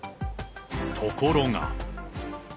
ところが。